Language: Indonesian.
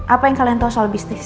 apa yang kalian tahu soal bisnis